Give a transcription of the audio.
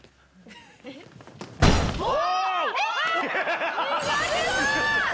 お！